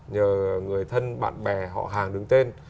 nhờ người thân bạn bè họ hàng đứng tên